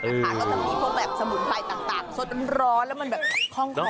ก็จะมีพวกแบบสมุนไพรต่างสดร้อนแล้วมันแบบคล่อง